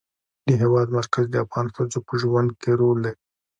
د هېواد مرکز د افغان ښځو په ژوند کې رول لري.